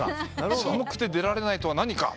「寒くて出られないとは何か？」